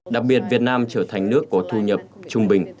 đặc biệt việt nam trở thành nước có thu nhập trung bình